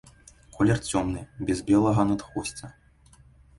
Колер цёмны, без белага надхвосця.